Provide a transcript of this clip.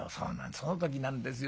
その時なんですよ。